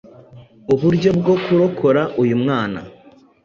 uburyo bwo kurokora uyu mwana